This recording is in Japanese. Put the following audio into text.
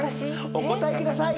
お答えください。